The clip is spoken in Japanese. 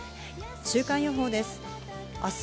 週間予報です。